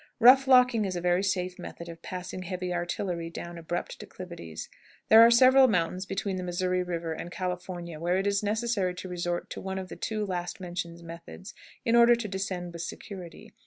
Rough locking is a very safe method of passing heavy artillery down abrupt declivities. There are several mountains between the Missouri River and California where it is necessary to resort to one of the two last mentioned methods in order to descend with security.